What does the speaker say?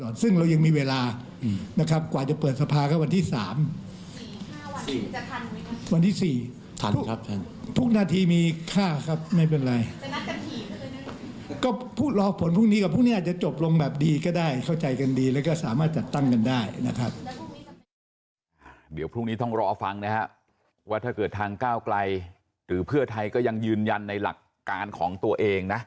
เดี๋ยวพรุ่งนี้ต้องรอฟังนะฮะว่าถ้าเกิดทางก้าวไกลหรือเพื่อไทยก็ยังยืนยันในหลักการของตัวเองนะ